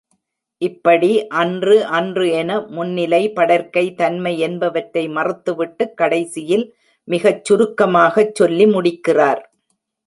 இப்படி அன்று, அன்று என, முன்னிலை, படர்க்கை, தன்மை என்பவற்றை மறுத்துவிட்டுக் கடைசியில் மிகச் சுருக்கமாகச் சொல்லி முடிக்கிறார்.